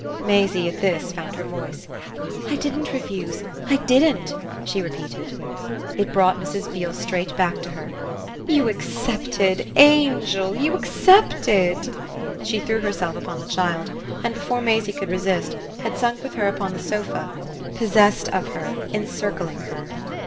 Maisie, at this, found her voice. "I didn't refuse. I didn't," she repeated. It brought Mrs. Beale straight back to her. "You accepted, angel you accepted!" She threw herself upon the child and, before Maisie could resist, had sunk with her upon the sofa, possessed of her, encircling her.